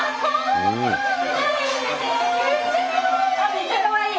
めっちゃかわいい！